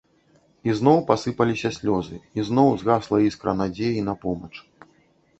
Ізноў пасыпаліся слёзы, ізноў згасла іскра надзеі на помач.